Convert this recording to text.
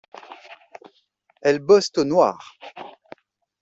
Elles bossent au noir.